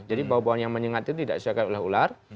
jadi bau bauan yang menyengat itu tidak disukai oleh ular